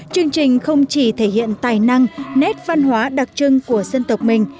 chương trình không chỉ thể hiện tài năng nét văn hóa đặc trưng của dân tộc mình